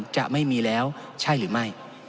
จะไม่มีแล้วใช่หรือไม่